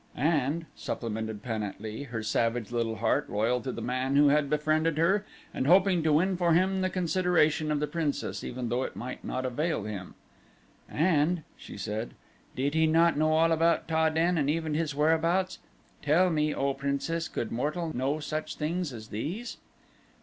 "And," supplemented Pan at lee, her savage little heart loyal to the man who had befriended her and hoping to win for him the consideration of the princess even though it might not avail him; "and," she said, "did he not know all about Ta den and even his whereabouts. Tell me, O Princess, could mortal know such things as these?"